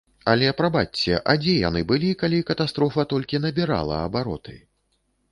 Але прабачце, а дзе яны былі, калі катастрофа толькі набірала абароты?